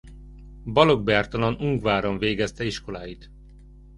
Balogh Bertalan Ungváron végezte iskoláit.